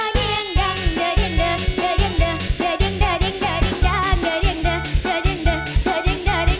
เด้อเดียงดั่งเดื้อเด๋ยงเดื้อเดื้อเด๋ยงเด่อ